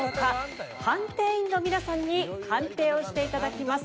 判定員の皆さんに判定をして頂きます。